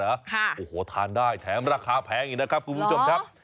โอ้โหทานได้แถมราคาแพงอีกนะครับคุณผู้ชมครับ